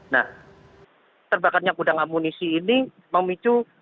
nah terbakarnya gudang amunisi ini memicu